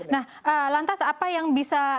nah lantas apa yang bisa